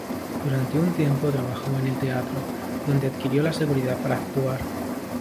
Durante un tiempo trabajó en el teatro, donde adquirió la seguridad para actuar.